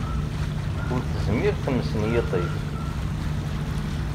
Ur tezmir tmes n yiṭij.